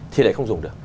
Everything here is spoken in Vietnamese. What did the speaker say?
thì lại không dùng được